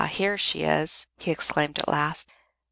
here she is!" he exclaimed at last.